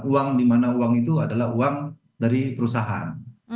uang di mana uang itu adalah uang dari perusahaan